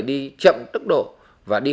đi chậm tốc độ và đi